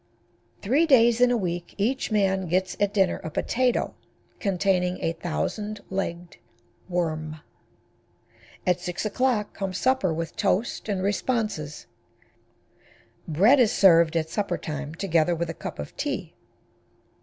Three days in a week each man gets at dinner a potato containing a thousand legged worm. At 6 o'clock comes supper with toast and responses. Bread is served at supper time, together with a cup of tea.